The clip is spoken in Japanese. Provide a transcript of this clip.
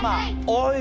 おい！